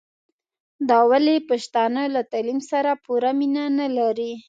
دا ولي پښتانه له تعليم سره پوره مينه نلري